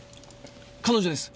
彼女です。